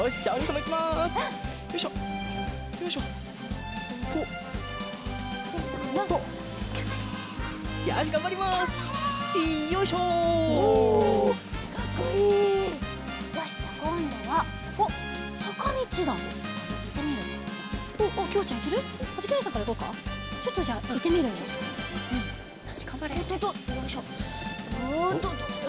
おっとっとっと。